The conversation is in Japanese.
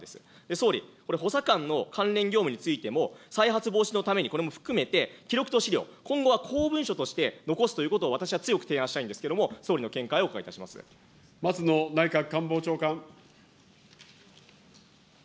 総理、これ、補佐官の関連業務についても、再発防止のために、これも含めて、記録と資料、今後は公文書として残すということを、私は強く提案したいんですけれども、総理の見解をお伺いいたしま松野内閣官房長官。